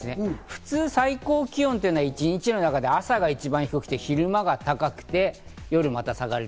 普通、最高気温というのは一日の中で朝が一番低くて昼間が高くて、夜また下がる。